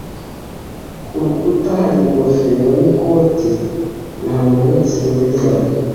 Ku rukuta hari ingofero n'ikote bihamanitse ubizane